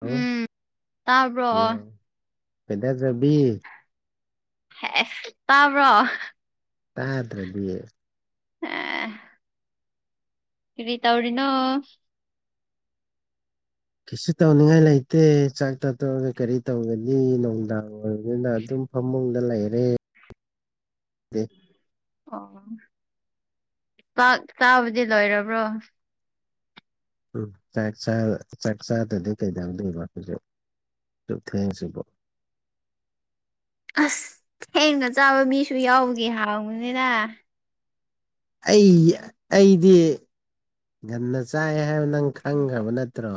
Hello ꯎꯝ ꯇꯥꯕ꯭ꯔꯣ ꯈꯣꯏꯗꯖꯕꯤ ꯍꯦ ꯇꯥꯕ꯭ꯔꯣ ꯇꯥꯗ꯭ꯔꯗꯤ ꯑꯦ ꯀꯔꯤ ꯇꯧꯔꯤꯅꯣ ꯀꯩꯁꯨ ꯇꯧꯅꯤꯡꯉꯥꯏ ꯂꯩꯇꯦ ꯆꯥꯛ ꯆꯥꯇꯣꯛꯑꯒ ꯀꯔꯤ ꯇꯧꯒꯅꯤ ꯅꯨꯡꯗꯥꯡ ꯑꯗꯨꯅ ꯑꯗꯨꯝ ꯐꯃꯨꯡꯗ ꯂꯩꯔꯦ [unintelligible] ꯑꯣ ꯆꯥꯛ ꯆꯥꯕꯗꯤ ꯂꯣꯏꯔꯕ꯭ꯔꯣ ꯎꯝ ꯆꯥꯛ ꯆꯥꯔ ꯆꯥꯛ ꯆꯥꯗꯗꯤ ꯀꯩꯗꯧꯗꯣꯏꯕ ꯍꯨꯖꯤꯛ ꯑꯗꯨꯛ ꯊꯦꯡꯉꯁꯤꯕꯨ ꯑꯁ ꯊꯦꯡꯅ ꯆꯥꯕ ꯃꯤꯁꯨ ꯌꯥꯎꯕꯒꯤ ꯍꯪꯕꯅꯤꯗ ꯑꯩ ꯑꯩꯗꯤ ꯉꯟꯅ ꯆꯥꯏ ꯍꯥꯏꯕ ꯅꯪ ꯈꯪꯒ꯭ꯔꯕ ꯅꯠꯇ꯭ꯔꯣ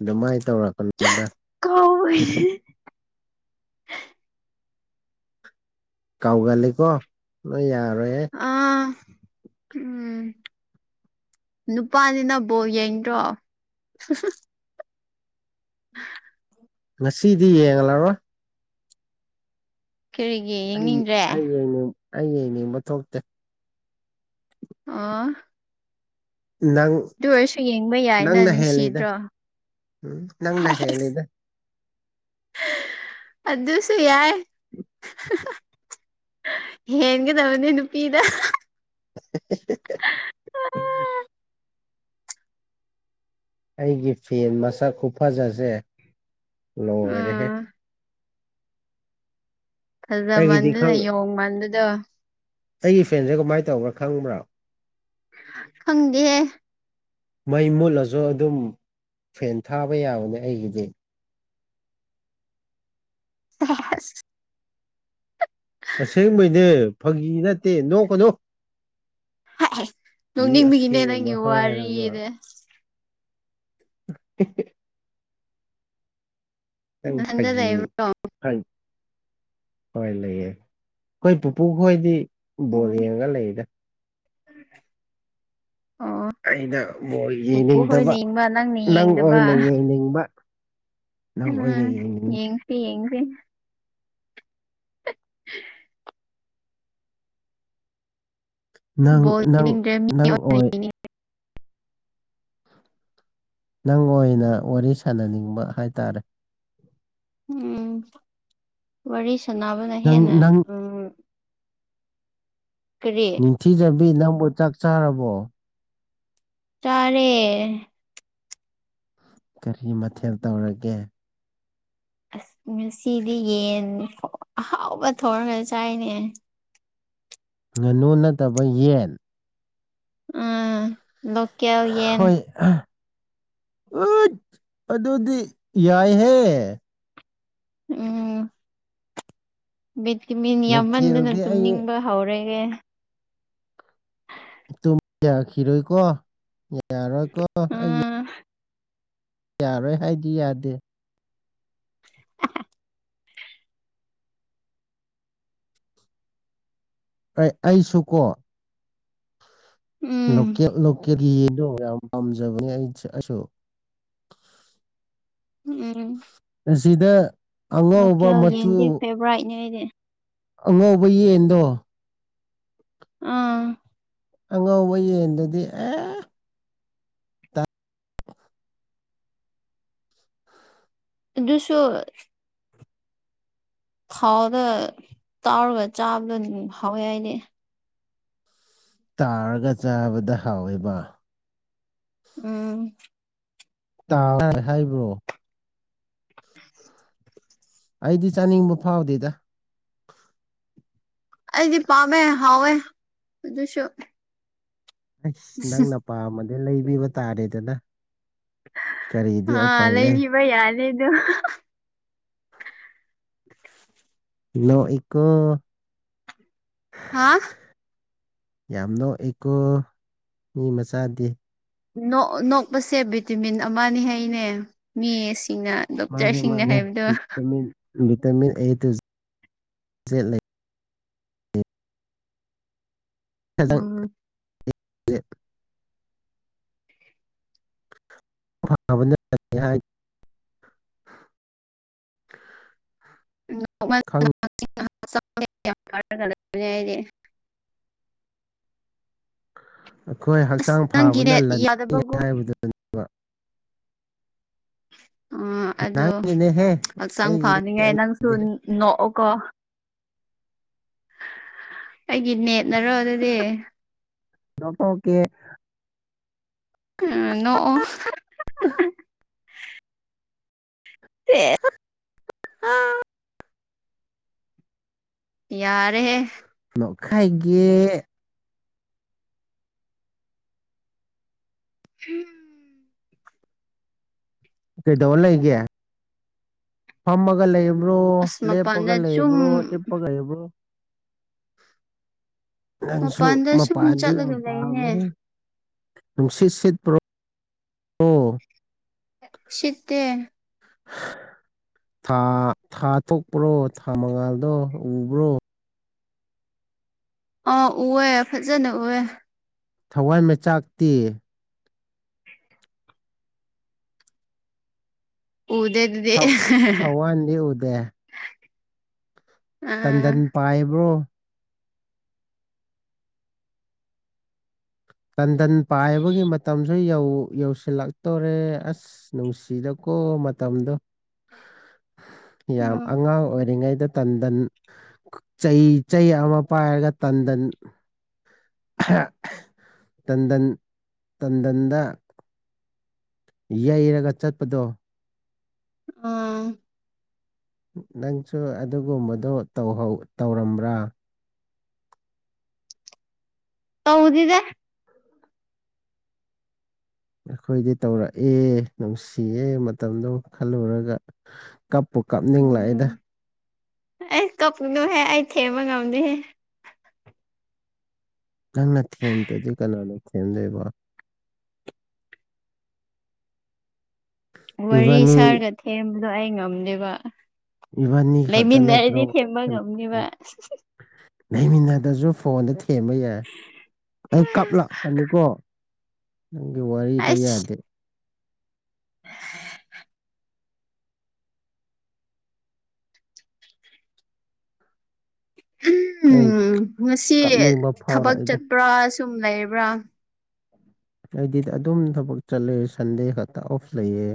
ꯑꯗꯨꯃꯥꯏ ꯇꯧꯔꯛꯀꯅꯨꯗꯅ [unintelligible] ꯀꯥꯎꯒꯜꯂꯤꯀꯣ ꯅꯣꯏ ꯌꯥꯔꯣꯏꯍꯦ ꯑꯥ ꯎꯝ ꯅꯨꯄꯥꯅꯤꯅ ꯕꯣꯜ ꯌꯦꯡꯗ꯭ꯔꯣ [unintelligible] [inaudible] ꯉꯁꯤꯗꯤ ꯌꯦꯡꯂꯔꯣꯏ ꯀꯔꯤꯒꯤ ꯑꯩ ꯌꯦꯡꯅꯤꯡꯗ꯭ꯔꯦ ꯑꯩ ꯌꯦꯡꯅꯤꯡ ꯑꯩ ꯌꯦꯡꯅꯤꯡꯕ ꯊꯣꯛꯇꯦ ꯑꯣ ꯅꯪ ꯑꯗꯨ ꯑꯣꯏꯔꯁꯨ ꯌꯦꯡꯕ ꯌꯥꯏꯅ ꯅꯪꯅ ꯍꯦꯜꯂꯤꯗ ꯅꯨꯡꯁꯤꯗ꯭ꯔꯣ ꯅꯪꯅ ꯍꯩꯁ ꯍꯦꯜꯂꯤꯗ ꯑꯗꯨꯁꯨ ꯌꯥꯏ [unintelligible] ꯍꯦꯟꯒꯗꯕꯅꯦ ꯅꯨꯄꯤꯅ [unintelligible] [unintelligible] ꯑꯩꯒꯤ ꯐꯦꯟ ꯃꯁꯛ ꯈꯨꯐꯖꯁꯦ ꯂꯣꯏꯔꯦꯍꯦ ꯎꯝ ꯑꯩꯒꯤꯗꯤ ꯐꯖꯃꯟꯗꯨꯅ ꯈꯪ ꯌꯣꯡꯃꯥꯟꯕꯗꯣ ꯑꯩꯒꯤ ꯐꯦꯟꯁꯦ ꯀꯃꯥꯏ ꯇꯧꯕ꯭ꯔꯥ ꯈꯪꯕꯔ꯭ ꯥ ꯈꯪꯗꯦꯍꯦ ꯃꯩ ꯃꯨꯠꯂꯖꯨ ꯑꯗꯨꯝ ꯐꯦꯟ ꯊꯥꯕ ꯌꯥꯕꯅꯦ ꯑꯩꯒꯤꯗꯤ [unintelligible] ꯑꯁꯦꯡꯕꯩꯅꯦ ꯐꯥꯒꯤ ꯅꯠꯇꯦ ꯅꯣꯛꯀꯅꯣ ꯃꯤ ꯅꯣꯛꯅꯤꯡꯕꯒꯤꯅꯦ ꯑꯁꯦꯡꯕ ꯅꯪꯒꯤ ꯍꯥꯏꯔꯒ ꯋꯥꯔꯤꯗ [unintelligible] ꯑꯩ ꯅꯊꯟꯗ ꯐꯥꯒꯤ ꯂꯩꯕ꯭ꯔꯣ [unintelligible] ꯍꯣꯏ ꯂꯩꯌꯦ ꯑꯈꯣꯏ ꯄꯨꯄꯨ ꯈꯣꯏꯗꯤ ꯑꯣ ꯕꯣꯜ ꯌꯦꯡꯉꯒ ꯂꯩꯔꯤꯗ [unintelligible] ꯑꯣ ꯑꯩꯅ ꯕꯣꯜ ꯄꯨꯄꯨ ꯌꯦꯡꯅꯤꯡꯗꯕ ꯍꯣꯏꯅ ꯌꯦꯡꯕ ꯅꯪꯅ ꯅꯪ ꯌꯦꯡꯗꯕ ꯑꯣꯏꯅ ꯌꯦꯡꯅꯤꯡꯕ ꯅꯪ ꯑꯣꯏꯅ ꯎꯝ ꯌꯦꯡꯅꯤꯡꯕ ꯌꯦꯡꯁꯦ ꯌꯦꯡꯁꯦ [inaudible] ꯅꯪ ꯕꯣꯜ ꯅꯪ ꯌꯦꯡꯅꯤꯡꯗ꯭ꯔꯦ ꯃꯤ ꯅꯪ ꯑꯣꯏ ꯌꯦꯡꯅꯤꯡ ꯅꯪ ꯑꯣꯏꯅ ꯋꯥꯔꯤ ꯁꯥꯟꯅꯅꯤꯡꯕ ꯍꯥꯏꯇꯥꯔꯦ ꯎꯝ ꯋꯥꯔꯤ ꯁꯅꯕꯅ ꯍꯦꯟꯅ ꯅꯪ ꯅꯪ ꯎꯝ ꯀꯔꯤ ꯅꯤꯡꯊꯤꯖꯕꯤ ꯅꯪꯕꯨ ꯆꯥꯛ ꯆꯥꯔꯕꯣ ꯆꯥꯔꯦ ꯀꯔꯤ ꯃꯊꯦꯜ ꯇꯧꯔꯒꯦ ꯑꯁ ꯉꯁꯤꯗꯤ ꯌꯦꯟ ꯑꯍꯥꯎꯕ ꯊꯣꯔꯒ ꯆꯥꯏꯅꯦ ꯉꯥꯅꯨ ꯅꯠꯇꯕ ꯌꯦꯟ ꯑ ꯂꯨꯠ ꯍꯣꯏ ꯑꯥ ꯎꯠ ꯑꯗꯨꯗꯤ ꯌꯥꯏꯍꯦ ꯎꯝ ꯕꯤꯠꯀꯤ ꯃꯤꯟ ꯌꯥꯝꯃꯟꯗꯅ ꯂꯣꯀꯦꯜꯗꯤ ꯑꯩ ꯇꯨꯝꯅꯤꯡꯕ ꯍꯧꯔ‌ꯦꯍ‌ꯦ ꯇꯨꯝ ꯌꯥꯈꯤꯔꯣꯏꯀꯣ ꯌꯥꯔꯣꯏꯀꯣ ꯑꯩ ꯎꯝ ꯌꯥꯔꯣꯏ ꯍꯥꯏꯗꯤ ꯌꯥꯗꯦ [unintelligible] ꯑꯩ ꯑꯩꯁꯨ ꯀꯣ ꯎꯝ ꯂꯣꯀꯦꯠ ꯂꯣꯀꯦꯜ ꯌꯦꯟꯗꯣ ꯌꯥꯝ ꯄꯥꯝꯖꯕꯅꯦ ꯑꯩ ꯑꯩꯁꯨ ꯎꯝ ꯑꯁꯤꯗ ꯑꯉꯧꯕ ꯃꯆꯨ ꯐ‌ꯦꯕ꯭ꯔꯥꯠꯏꯅꯦ ꯑꯩꯗꯤ ꯑꯉꯧꯕ ꯌꯦꯟꯗꯣ ꯑꯥ ꯑꯉꯧꯕ ꯌꯦꯟꯗꯨꯗꯤ ꯑꯦ ꯑꯗꯨꯁꯨ ꯊꯥꯎꯗ ꯇꯥꯎꯔꯒ ꯆꯥꯕꯗꯣ ꯍꯥꯎꯋꯦ ꯑꯩꯗꯤ ꯇꯥꯎꯔꯒ ꯆꯥꯕꯗꯣ ꯍꯥꯎꯋꯦꯕ ꯎꯝ ꯇꯥꯎꯔꯒ ꯍꯥꯏꯕꯨ [unintelligible] ꯑꯩꯗꯤ ꯆꯥꯅꯤꯡꯕ ꯐꯥꯎꯗꯦꯗ ꯑꯩꯗꯤ ꯄꯥꯝꯃꯦ ꯍꯥꯎꯋꯦ ꯑꯗꯨꯁꯨ ꯑꯁ ꯅꯪꯅ ꯄꯥꯝꯃꯗꯤ ꯂꯩꯕꯤꯕ ꯇꯥꯔꯦꯗꯅ ꯀꯔꯤꯗꯤ ꯑ ꯎꯄꯥꯏ ꯂꯩ ꯂꯩꯕꯤꯕ ꯌꯥꯅꯤꯗꯨ ꯅ‌ꯣꯛꯏꯀꯣ ꯍꯥ ꯌꯥꯝ ꯅꯣꯛꯏꯀꯣ ꯃꯤ ꯃꯆꯥꯗꯤ ꯅ‌ꯣꯛ ꯅꯣꯛꯄꯁꯦ ꯚꯤꯇꯤꯃꯤꯟ ꯑꯃꯅꯤ ꯍꯥꯏꯅꯦ ꯃꯤ ꯃꯤꯁꯤꯡꯅ ꯃꯥꯅꯦ ꯗꯣꯛꯇꯔꯁꯤꯡꯅ ꯃꯥꯅꯦ ꯍꯥꯏꯕꯗꯣ vitamin vitamin A to Z ꯂꯩ ꯎꯝ [unintelligible] ꯈꯪ [unintelligible] ꯑꯩꯈꯣꯏ ꯑꯁ ꯍꯛꯆꯥꯡ ꯅꯪꯒꯤ ꯐꯕꯅ ꯅꯦꯠ ꯂꯟꯅꯤ ꯌꯥꯗꯕꯒꯨꯝ ꯍꯥꯏꯕꯗꯨꯅꯤ ꯎ ꯑꯗꯣ ꯅꯪꯒꯤꯅꯦꯍꯦ ꯍꯛꯆꯥꯡ ꯑꯩꯒꯤꯗꯤ ꯐꯅꯤꯡꯉꯥꯏ ꯀꯩꯝ ꯅꯪꯁꯨ ꯇꯧꯗꯦꯍꯦ ꯅꯣꯛꯑꯣꯀꯣ ꯑꯩꯒꯤ ꯅꯦꯠꯅꯔꯣ ꯑꯗꯨꯗꯤ [unintelligible] ꯑꯥ ꯅ‌ꯣꯛꯑꯣ ꯑ ꯑꯦ ꯑꯥ ꯌꯥꯔꯦ ꯍꯦ꯫ ꯅꯣꯛꯈꯥꯏꯒꯦ ꯍꯝ ꯀꯩꯗꯧꯂꯩꯒꯦ ꯐꯝꯃꯒ ꯂꯩꯕ꯭ꯔꯣ ꯑꯁ ꯂꯦꯞꯄꯒ ꯃꯄꯥꯟꯗ ꯆꯨꯝ ꯂꯩꯕ꯭ꯔꯣ ꯇꯨꯝꯃꯒ ꯂꯩꯕ꯭ꯔꯣ ꯅꯪꯁꯨ ꯃꯄꯥꯟꯗ ꯁꯨꯝ ꯃꯄꯥꯟꯗꯤ ꯌꯝ ꯆꯠꯂꯒ ꯄꯥꯝꯕꯅꯦ ꯂꯩꯅꯦ ꯅꯨꯡꯁꯤꯠ ꯁꯤꯠꯄ꯭ꯔꯣ ꯑꯣ ꯁꯤꯠꯇꯦ ꯊꯥ ꯊꯥ ꯊꯣꯛꯄ꯭ꯔꯣ ꯊꯥ ꯃꯉꯥꯜꯗꯣ ꯎꯕ꯭ꯔꯣ ꯑꯥ ꯎꯋꯦ ꯐꯖꯅ ꯎꯋꯦ ꯊꯋꯥꯟꯃꯤꯆꯥꯛꯇꯤ ꯎꯗꯦ꯫ ꯊ ꯊꯋꯥꯟꯗꯤ ꯎꯗꯦ ꯑꯥ ꯇꯟꯗꯟ ꯄꯥꯏꯕ꯭ꯔꯣ ꯇꯟꯗꯟ ꯄꯥꯏꯕꯒꯤ ꯃꯇꯝꯖꯨ ꯌꯧ ꯌꯧꯁꯤꯜꯂꯛꯇꯣꯔꯦ ꯑꯁ ꯑꯁ ꯅꯨꯡꯁꯤꯗꯀꯣ ꯃꯇꯝꯗꯣ ꯌꯥꯝ ꯑꯉꯥꯡ ꯎꯝ ꯑꯣꯏꯔꯤꯉꯩꯗ ꯇꯟꯗꯟ ꯆꯩ ꯆꯩ ꯑꯃ ꯄꯥꯏꯔꯒ ꯇꯟꯗꯟ ꯑꯍ ꯇꯟꯗꯟ ꯇꯟꯗꯟꯗ ꯌꯩꯔꯒ ꯆꯠꯄꯗꯣ ꯎꯝ ꯅꯪꯁꯨ ꯑꯗꯨꯒꯨꯝꯕꯗꯣ ꯇꯧꯍꯧ ꯇꯧꯔꯝꯕ꯭ꯔꯥ ꯇꯧꯗꯤꯗ ꯑꯩꯈꯣꯏꯗꯤ ꯇꯧꯔꯛꯑꯦ ꯅꯨꯡꯁꯤꯌꯦ ꯃꯇꯝꯗꯣ ꯈꯜꯂꯨꯔꯒ ꯀꯞꯄꯨ ꯀꯞꯅꯤ ꯎꯝ ꯑꯦ ꯀꯛꯅꯨꯍꯦ ꯑꯩ ꯊꯦꯝꯕ ꯉꯝꯗꯦꯍꯦ ꯅꯪꯅ ꯊꯦꯝꯗꯗꯤ ꯀꯅꯥꯅ ꯊꯦꯝꯗꯣꯏꯕ ꯋꯥꯔꯤ ꯏꯕꯥꯅꯤ ꯁꯥꯔꯒ ꯊꯦꯝꯕꯗꯣ ꯑꯩ ꯉꯝꯗꯦꯕ ꯏꯕꯥꯅꯤ ꯈꯛꯇ ꯅꯠꯇ꯭ꯔꯣ ꯂꯩꯃꯤꯟꯅꯔꯗꯤ ꯊꯦꯝꯕ ꯉꯝꯅꯤꯕ ꯂꯩꯃꯤꯟꯅꯗ꯭ꯔꯁꯨ ꯐꯣꯟꯗ ꯊꯦꯝꯕ ꯌꯥꯏ ꯑꯩ ꯀꯞꯂꯛꯀꯅꯤꯀꯣ ꯅꯪꯒꯤ ꯋꯥꯔꯤꯗꯣ ꯑꯩꯁ ꯌꯥꯗꯦ [inaudible] ꯑꯩ ꯎꯝ ꯉꯁꯤ ꯀꯞꯅꯤꯡꯕ ꯊꯕꯛ ꯐꯥꯎꯔꯛꯏꯗ ꯆꯠꯄ꯭ꯔꯥ ꯁꯨꯝ ꯂꯩꯕ꯭ꯔꯥ ꯑꯩꯗꯤ ꯑꯗꯨꯝ ꯊꯕꯛ ꯆꯠꯂꯦ ꯁꯟꯗꯦ ꯈꯛꯇ ꯑꯣꯐ ꯂꯩꯌꯦ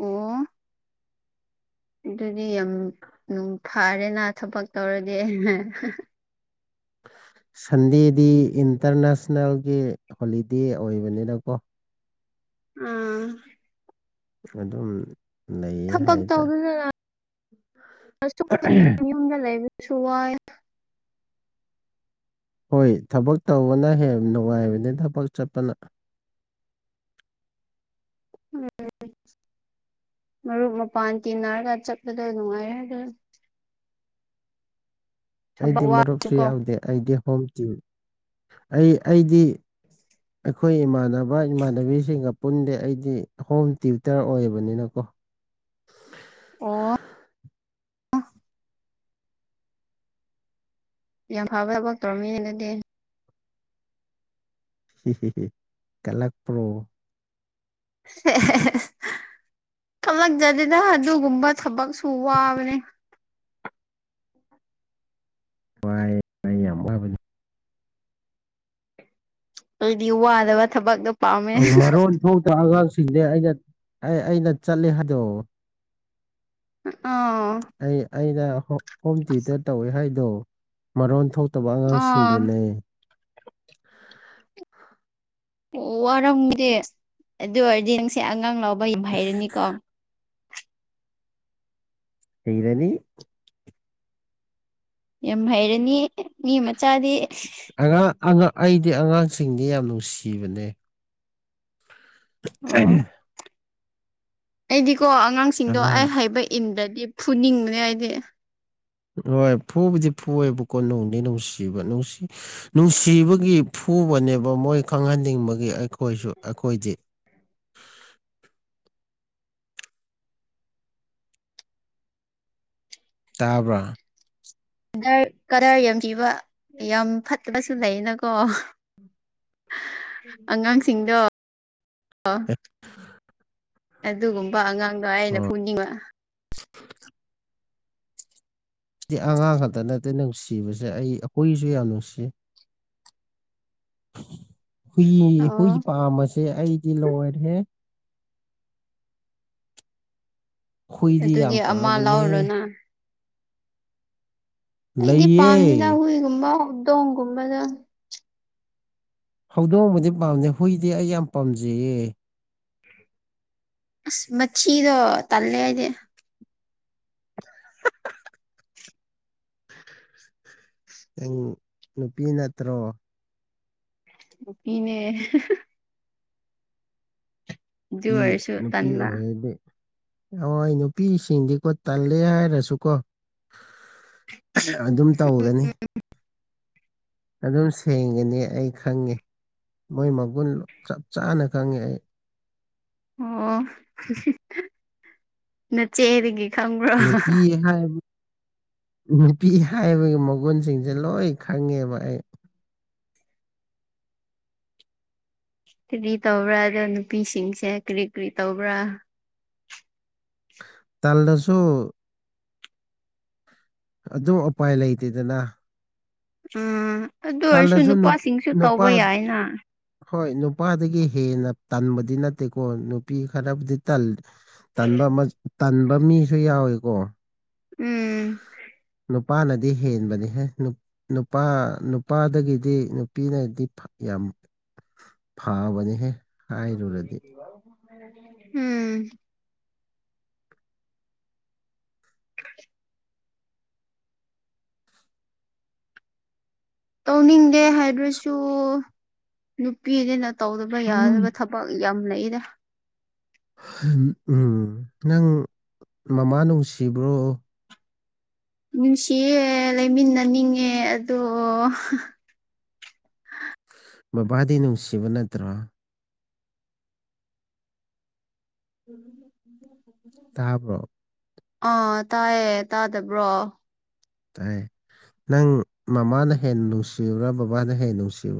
ꯑꯣ ꯑꯗꯨꯗꯤ ꯌꯥꯝ ꯐꯥꯔꯦꯅ ꯊꯕꯛ ꯇꯧꯔꯗꯤ ꯑꯍꯦ ꯁꯟꯗꯦꯗꯤ ꯏꯟꯇꯔꯅꯦꯁꯅꯦꯜꯒꯤ ꯍꯣꯂꯤꯗꯦ ꯑꯣꯏꯕꯅꯤꯅꯀꯣ ꯎꯝ ꯑꯗꯨꯝ ꯂꯩꯌꯦ ꯊꯕꯛ ꯍꯥꯏꯇꯥꯔꯦ ꯑꯁ [inaudible] ꯌꯨꯝꯗ ꯂꯩꯕ ꯁꯨꯨ ꯋꯥꯏ ꯍꯣꯏ ꯊꯕꯛ ꯇꯧꯕꯅ ꯍꯦꯟꯅ ꯅꯨꯡꯉꯥꯏꯕꯅꯦ ꯊꯕꯛ ꯆꯠꯄꯅ ꯎꯝ ꯃꯔꯨꯞ ꯃꯄꯥꯟ ꯇꯤꯟꯅꯔꯒ ꯆꯠꯄꯗꯣ ꯅꯨꯡꯉꯥꯏꯔꯦ ꯑꯗꯨ ꯊꯕꯛ ꯑꯩꯗꯤ ꯃꯔꯨꯞꯁꯨ ꯋꯥꯁꯨꯀꯣ ꯌꯥꯎꯗꯦ ꯑꯩꯗꯤ ꯍꯣꯝ ꯇꯤꯝ ꯑꯩ ꯑꯩꯗꯤ ꯑꯩꯈꯣꯏ ꯏꯃꯥꯟꯅꯕ ꯏꯃꯥꯟꯅꯕꯤꯁꯤꯡꯒ ꯄꯨꯟꯗꯦ ꯑꯩꯗꯤ ꯍꯣꯝ ꯇ꯭ꯌꯨꯇꯔ ꯑꯣꯏꯕꯅꯤꯅꯀꯣ ꯑꯣ ꯌꯥꯝ ꯐꯕ ꯊꯕꯛ ꯇꯧꯔꯝꯃꯤꯅꯦ ꯅꯡꯗꯤ ꯀꯂꯛꯄ꯭ꯔꯣ ꯊꯣꯛꯂꯛꯗꯗꯤꯅ ꯑꯗꯨꯒꯨꯝꯕ ꯊꯕꯛꯁꯨ ꯋꯥꯕꯅꯦ ꯋꯥꯏ ꯋꯥꯏ ꯌꯥꯝ ꯋꯥꯕꯅꯤ ꯑꯗꯨꯗꯤ ꯋꯥꯗꯕ ꯊꯕꯛ ꯃꯔꯣꯟ ꯊꯣꯛꯇ ꯑꯉꯥꯡꯁꯤꯡꯁꯦ ꯑꯩꯅ ꯑꯩ ꯑꯩꯅ ꯆꯠꯂꯦ ꯍꯥꯏꯗꯣ ꯑꯣ ꯑꯩ ꯑꯩꯅ ꯍꯣꯝ ꯊ꯭ꯋꯤꯇꯔ ꯇꯧꯋꯦ ꯍꯥꯏꯗꯣ ꯃꯔꯣꯟ ꯊꯣꯛꯇꯕ ꯑꯥ ꯑꯉꯥꯡꯁꯤꯡꯗꯨꯅꯦ ꯑꯣ ꯋꯥꯔꯝꯒꯦ ꯑꯗꯨ ꯑꯣꯏꯔꯗꯤ ꯅꯁꯦ ꯑꯉꯥꯡ ꯂꯧꯕ ꯌꯥꯝ ꯍꯩꯔꯅꯤꯀꯣ ꯍꯩꯔꯅꯤ ꯌꯥꯝ ꯍꯩꯔꯅꯤ ꯃꯤ ꯃꯆꯥꯗꯤ ꯑꯉꯥꯡ ꯑꯉꯥꯡ ꯑꯩꯗꯤ ꯑꯉꯥꯡꯁꯤꯡꯗꯤ ꯌꯥꯝ ꯅꯨꯡꯁꯤꯕꯅꯦ ꯑꯣ ꯑꯩꯗꯤꯀꯣ ꯑꯉꯥꯡꯁꯤꯡꯗꯣ ꯑꯩ ꯑꯉꯥꯡ ꯍꯥꯏꯕ ꯏꯟꯗꯗꯤ ꯐꯨꯅꯤꯡꯕꯅꯦ ꯑꯩꯗꯤ ꯑꯗꯣ ꯐꯨꯕꯨꯗꯤ ꯐꯨꯏꯑꯦꯕꯀꯣ ꯅꯨꯡꯗꯤꯩ ꯅꯨꯡꯁꯤꯕ ꯅꯨꯡꯁꯤ ꯅꯨꯡꯁꯤꯕꯒꯤ ꯐꯨꯕꯅꯦꯕ ꯃꯣꯏ ꯈꯪꯍꯟꯅꯤꯡꯕꯒꯤ ꯑꯩꯈꯣꯏꯁꯨ ꯑꯩꯈꯣꯏꯗꯤ ꯇꯥꯕ꯭ꯔꯥ ꯗꯔ ꯀꯗꯔ ꯌꯥꯝ ꯊꯤꯕ ꯌꯥꯝ ꯐꯠꯇꯕꯁꯨ ꯂꯩꯌꯦꯅꯀꯣ ꯑꯉꯥꯡꯁꯤꯡꯗꯣ ꯑꯣ ꯑꯗꯨꯒꯨꯝꯕ ꯑꯉꯥꯡ ꯑꯩꯅ ꯍꯣꯏꯗꯤ ꯐꯨꯅꯤꯡꯕ [inaudible] ꯗꯤ ꯑꯉꯥꯡ ꯈꯛꯇ ꯅꯠꯇꯦ ꯅꯨꯡꯁꯤꯕꯁꯦ ꯑꯩ ꯍꯨꯏꯁꯨ ꯌꯥꯝ ꯅꯨꯡꯁꯤ ꯍꯨꯏ ꯍꯨꯏ ꯑꯣ ꯄꯥꯝꯕꯁꯦ ꯑꯩꯗꯤ ꯂꯣꯏꯔꯦꯍꯦ ꯍꯨꯏꯗꯤ ꯌꯥꯝ ꯑꯗꯨꯗꯤ ꯑꯃ ꯄꯥꯝꯕꯅꯦꯍꯦ ꯂꯧꯔꯣꯅ ꯑꯩꯗꯤ ꯂꯩꯌꯦ ꯄꯥꯝꯗꯦꯗ ꯍꯨꯏꯒꯨꯝꯕ ꯗꯣꯡꯒꯨꯝꯕꯗ ꯍꯧꯗꯣꯡꯕꯨꯗꯤ ꯄꯥꯝꯗꯦ ꯍꯨꯏꯗꯤ ꯑꯩ ꯌꯥꯝ ꯄꯥꯝꯖꯩꯌꯦ ꯑꯁ ꯃꯆꯤꯗꯣ ꯇꯜꯂꯦ ꯑꯩꯗꯤ [inaudible] ꯅꯪ ꯅꯨꯄꯤ ꯅꯠꯇ꯭ꯔꯣ ꯅꯨꯄꯤꯅꯦ ꯑꯗꯨ ꯄꯤ ꯑꯣꯏꯔꯁꯨ ꯅꯨꯄꯤ ꯇꯟꯕ ꯑꯣꯏꯔꯗꯤ ꯅꯋꯥꯏ ꯅꯨꯄꯤꯁꯤꯡꯗꯤꯀꯣ ꯇꯜꯂꯦ ꯍꯥꯏꯔꯁꯨꯀꯣ ꯑꯁꯥ ꯑꯗꯨꯝ ꯇꯧꯒꯅꯤ ꯑꯗꯨꯝ ꯁꯦꯡꯒꯅꯤ ꯑꯩ ꯈꯪꯉꯦ ꯃꯣꯏ ꯃꯒꯨꯟ ꯆꯞ ꯆꯥꯅ ꯈꯪꯉꯦ ꯑꯩ ꯑꯣ ꯅꯆꯦꯗꯒꯤ ꯈꯪꯕ꯭ꯔꯣ ꯅꯨꯄꯤ ꯍꯥꯏꯔ ꯅꯨꯄꯤ ꯍꯥꯏꯕꯒꯤ ꯃꯒꯨꯟꯁꯤꯡꯁꯦ ꯂꯣꯏ ꯈꯪꯉꯦꯕ ꯑꯩ ꯀꯔꯤ ꯇꯧꯕ꯭ꯔꯥ ꯑꯗꯣ ꯅꯨꯄꯤꯁꯤꯡꯁꯦ ꯀ꯭ꯔꯤ ꯀ꯭ꯔꯤ ꯇꯧꯕ꯭ꯔꯥ ꯇꯜꯂꯁꯨ ꯑꯗꯨ ꯎꯄꯥꯏ ꯂꯩꯇꯦꯗꯅ ꯎꯝ ꯑꯗꯨ ꯑꯣꯏꯔꯁꯨ ꯇꯜꯂꯁꯨ ꯅꯨ ꯅꯨꯄꯥꯁꯤꯡꯁꯨ ꯅꯨꯄꯥ ꯇꯧꯕ ꯌꯥꯏꯅ ꯍꯣꯏ ꯅꯨꯄꯥꯗꯒꯤ ꯍꯦꯟꯅ ꯇꯟꯕꯗꯤ ꯅꯠꯇꯦꯀꯣ ꯅꯨꯄꯤ ꯈꯔꯕꯨꯗꯤ ꯇꯜ ꯇꯟꯕ ꯃꯥ ꯇꯟꯕ ꯃꯤꯁꯨ ꯌꯥꯎꯏꯀꯣ ꯎꯝ ꯅꯨꯄꯥꯅꯗꯤ ꯍꯦꯟꯕꯅꯦꯍꯦ ꯅꯨꯄꯥ ꯅꯨꯄꯥꯗꯒꯤꯗꯤ ꯅꯨꯄꯤꯅꯗꯤ ꯐꯥ ꯌꯥꯝ ꯐꯥꯕꯅꯦꯍꯦ ꯎꯝ ꯇꯧꯅꯤꯡꯗꯦ ꯍꯥꯏꯗ꯭ꯔꯁꯨ ꯅꯨꯄꯤꯅꯤꯅ ꯇꯧꯗꯕ ꯌꯥꯗꯕ ꯊꯕ ꯕꯛ ꯌꯥꯝ ꯂꯩꯗ ꯍꯝ ꯎꯝ ꯅꯪ ꯃꯃꯥ ꯅꯨꯡꯁꯤꯕ꯭ꯔꯣ ꯅꯨꯡꯁꯤꯌꯦ ꯂꯩꯃꯤꯟꯅꯅꯤꯡꯉꯦ ꯑꯗꯣ ꯕꯕꯥꯗꯤ ꯅꯨꯡꯁꯤꯕ ꯅꯠꯇ꯭ꯔꯣ ꯇꯥꯕ꯭ꯔꯣ ꯑꯥ ꯇꯥꯏꯌꯦ ꯇꯥꯗꯕ꯭ꯔꯣ ꯇꯥꯏ ꯅꯪ ꯃꯃꯥꯅ ꯍꯦꯟ ꯅꯨꯡꯁꯤꯕ꯭ꯔꯥ ꯕꯕꯥꯅ ꯍꯦꯟ ꯅꯨꯡꯁꯤꯕ꯭ꯔꯥ